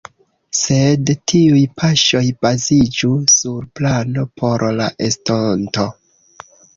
Sed tiuj paŝoj baziĝu sur plano por la estonto.